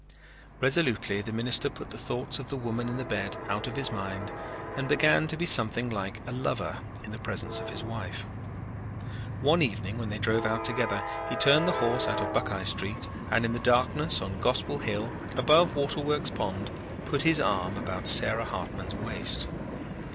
Resolutely the minister put the thoughts of the woman in the bed out of his mind and began to be something like a lover in the presence of his wife. One evening when they drove out together he turned the horse out of Buckeye Street and in the darkness on Gospel Hill, above Waterworks Pond, put his arm about Sarah Hartman's waist.